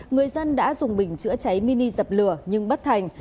người dân đã dùng bình chữa cháy mini dập lửa nhưng bất thành